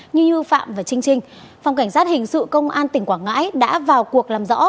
như phạm và trinh trinh phòng cảnh sát hình sự công an tỉnh quảng ngãi đã vào cuộc làm rõ